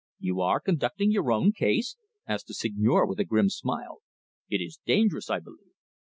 "You are conducting your own case?" asked the Seigneur, with a grim smile. "It is dangerous, I believe."